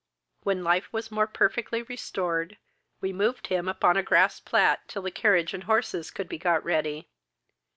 "When life was more perfectly restored, we moved him upon a grass plat, till the carriage and horses could be got ready.